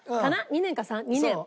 ２年か２年。